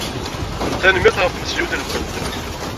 Tanemmirt ɣef tmesliwt-nkent.